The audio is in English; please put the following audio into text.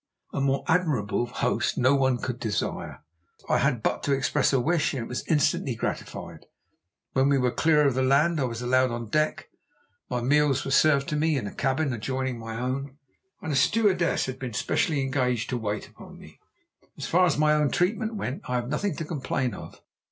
"A more admirable host no one could desire. I had but to express a wish, and it was instantly gratified. When we were clear of the land I was allowed on deck; my meals were served to me in a cabin adjoining my own, and a stewardess had been specially engaged to wait upon me. As far as my own treatment went, I have nothing to complain of.